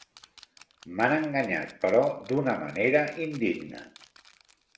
M'han enganyat, però d'una manera indigna.